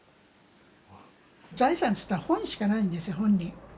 財産といったら本しかないんですよ本人。